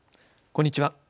こんにちは。